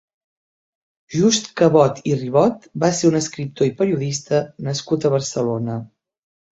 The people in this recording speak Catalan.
Just Cabot i Ribot va ser un escriptor i periodista nascut a Barcelona.